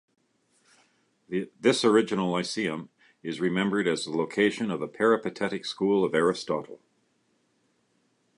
This original Lyceum is remembered as the location of the peripatetic school of Aristotle.